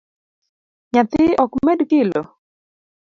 Nyathi ok med kilo?